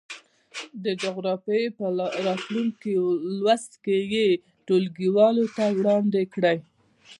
د جغرافيې په راتلونکي لوست یې ټولګیوالو ته وړاندې کړئ.